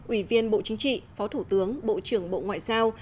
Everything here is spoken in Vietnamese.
ủy viên bộ chính trị phó thủ tướng bộ trưởng bộ ngoại giao